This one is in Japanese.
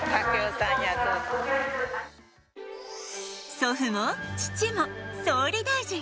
祖父も父も総理大臣。